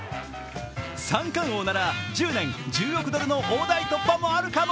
三冠王なら１０年１０億ドルの大台突破もあるかも。